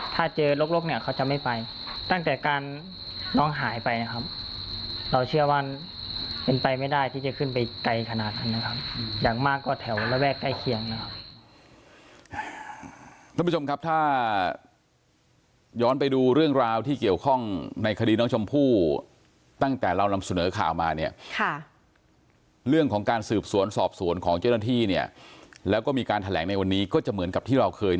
ถ้าเจอลกเนี่ยเขาจะไม่ไปตั้งแต่การน้องหายไปนะครับเราเชื่อว่าเป็นไปไม่ได้ที่จะขึ้นไปไกลขนาดนั้นนะครับอย่างมากก็แถวระแวกใกล้เคียงนะครับท่านผู้ชมครับถ้าย้อนไปดูเรื่องราวที่เกี่ยวข้องในคดีน้องชมพู่ตั้งแต่เรานำเสนอข่าวมาเนี่ยค่ะเรื่องของการสืบสวนสอบสวนของเจ้าหน้าที่เนี่ยแล้วก็มีการแถลงในวันนี้ก็จะเหมือนกับที่เราเคย